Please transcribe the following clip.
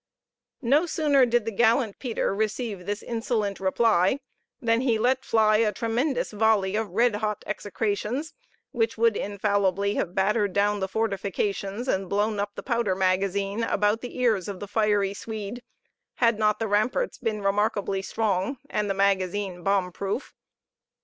No sooner did the gallant Peter receive this insolent reply, than he let fly a tremendous volley of red hot execrations, which would infallibly have battered down the fortifications, and blown up the powder magazine about the ears of the fiery Swede had not the ramparts been remarkably strong, and the magazine bomb proof.